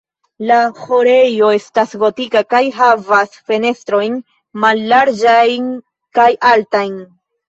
La ĥorejo estas gotika kaj havas fenestrojn mallarĝajn kaj altajn.